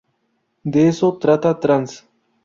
De eso trata "Trans".